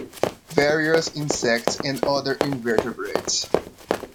Various insects and other invertebrates.